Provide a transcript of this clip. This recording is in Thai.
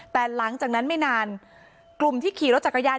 แต่หลังจากนั้นไม่นานกลุ่มที่ขี่รถจักรยาน